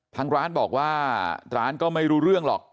ทางร้านบอกว่าร้านก็ไม่รู้เรื่องหรอก